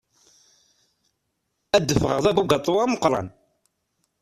Ad ffɣeɣ d abugaṭu ameqqran.